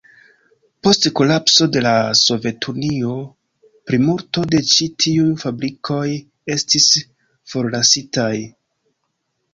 Post kolapso de la Sovetunio plimulto de ĉi tiuj fabrikoj estis forlasitaj.